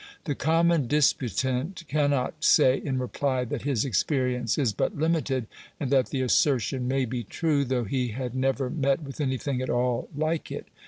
The common disputant cannot say in reply that his experience is but limited, and that the assertion may be true, though he had never met with anything at all like it.